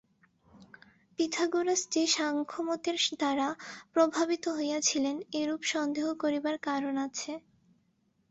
Pythagoras যে সাংখ্যমতের দ্বারা প্রভাবিত হইয়াছিলেন, এরূপ সন্দেহ করিবার কারণ আছে।